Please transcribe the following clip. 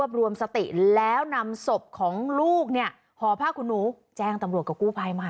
โรบรวมสติพวกนั้นแล้วนำศพของลูกเนี่ยหอพร่าคคุณหนูแจ้งตำรวจกับกู้ภัยมา